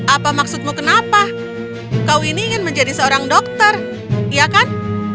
apa maksudmu kenapa kau ini ingin menjadi seorang dokter iya kan